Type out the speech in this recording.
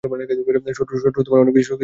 শত্রু অনেক শক্তিশালী ছিলো।